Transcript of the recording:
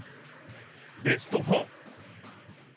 ベスト４。